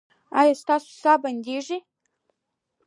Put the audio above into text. ایا ستاسو ساه به نه بندیږي؟